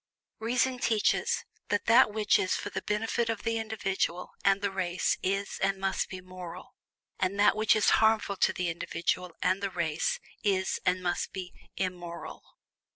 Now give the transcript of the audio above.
Reason teaches that that which is for the benefit of the individual and the race is and must be "moral," and that which is harmful to the individual and the race is and must be "immoral."